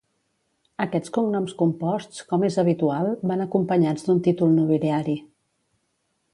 Aquests cognoms composts, com és habitual, van acompanyats d’un títol nobiliari.